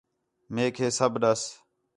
میک ہے سب ݙَس